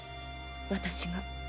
私が。